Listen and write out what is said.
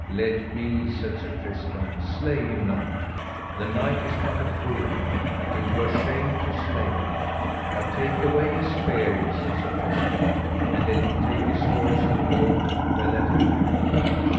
Let be, said Sir Tristram, slay him not, the knight is but a fool, it were shame to slay him. But take away his spear, said Sir Tristram, and let him take his horse and go where that he will.